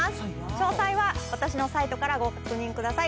詳細は私のサイトからご確認ください。